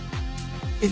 えっ？